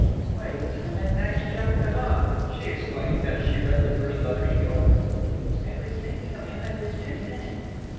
"Why, it's from that nice Jacques Dollon!" she exclaimed, as she read the first letter she opened: "I was thinking of him at this very minute!"